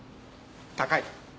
高い。